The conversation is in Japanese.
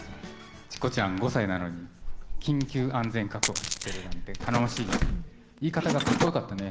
チコちゃん５歳なのに緊急安全確保知ってるなんて頼もしいしポーズもかっこよかったね。